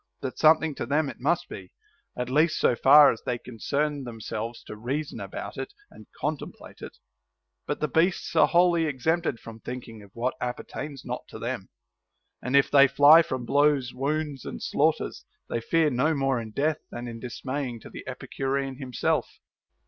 But something to them it must be, at least so far as they concern themselves to reason about it and contemplate it ; but the beasts are wholly exempted from thinking of what appertains not to them ; and if they fly from blows, wounds, and slaughters, they fear no more in death than is dismaying to the Epi curean himself.